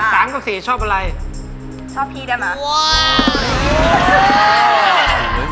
สามกับสี่ชอบอะไรชอบพี่ได้ไหม